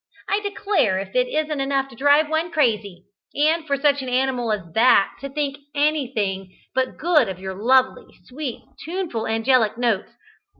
I declare if it isn't enough to drive one crazy; and for such an animal as that to think anything but good of your lovely, sweet, tuneful, angelic notes!